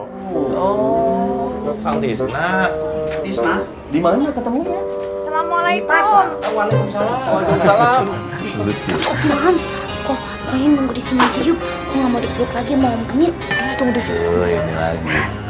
oh kang tisnak tisnak dimana ketemunya assalamualaikum waalaikumsalam